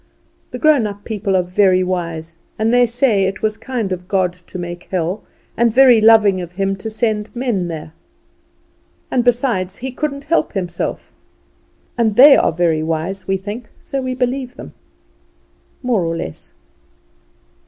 The grown up people are very wise, and they say it was kind of God to make hell, and very loving of Him to send men there; and besides, he couldn't help Himself, and they are very wise, we think, so we believe them more or less.